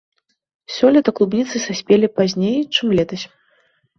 Сёлета клубніцы саспелі пазней, чым летась.